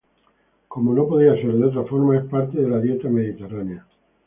Como no podía ser de otra forma, es parte de la dieta mediterránea.